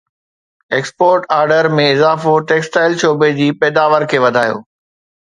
export order ۾ اضافو textile شعبي جي پيداوار کي وڌايو